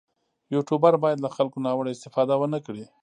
یوټوبر باید له خلکو ناوړه استفاده ونه کړي.